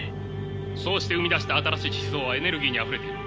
そうして生み出した新しい思想はエネルギーにあふれている。